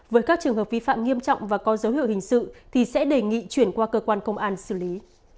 với các trường hợp vi phạm nghiêm trọng và có dấu hiệu hình sự thì sẽ đề nghị chuyển qua cơ quan công an xử lý